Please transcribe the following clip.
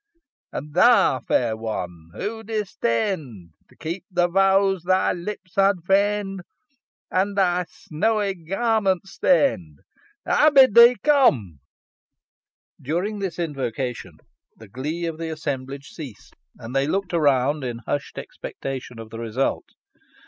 "And thou fair one, who disdain'd To keep the vows thy lips had feign'd; And thy snowy garments stain'd! I bid thee come!" During this invocation, the glee of the assemblage ceased, and they looked around in hushed expectation of the result.